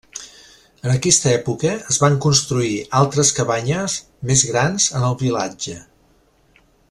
En aquesta època, es van construir altres cabanyes més grans en el vilatge.